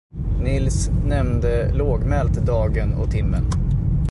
Nils nämnde lågmält dagen och timmen.